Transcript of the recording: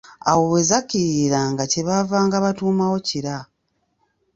Awo we zakkiririranga, kye baavanga batuumawo Kira.